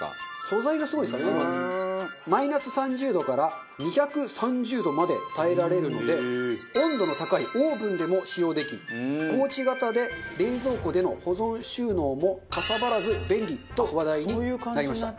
マイナス３０度から２３０度まで耐えられるので温度の高いオーブンでも使用できポーチ形で冷蔵庫での保存収納もかさばらず便利と話題になりました。